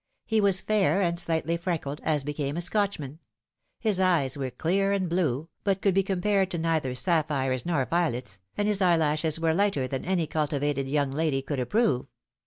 He was fair and slightly freckled, as became a Scotchman ; his eyes were clear and blue, but could be compared to neither sapphires nor violets, and his eyelashes were lighter than any cultivated young lady could approve.